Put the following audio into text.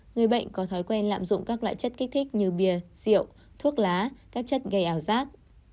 người bệnh có thói quen lạm dụng các loại chất kích thích như bìa rượu thuốc lá các chất gây ảo giác